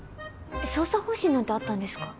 捜査方針なんてあったんですか？